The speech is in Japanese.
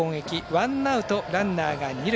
ワンアウト、ランナーが二塁。